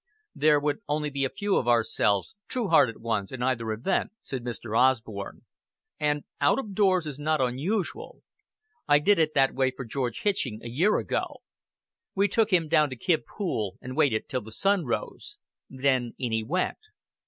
"There would only be a few of ourselves, true hearted ones, in either event," said Mr. Osborn; "and out of doors is not unusual. I did it that way for George Hitching a year ago. We took him down to Kib Pool, and waited till the sun rose. Then in he went."